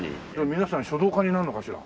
皆さん書道家になるのかしら？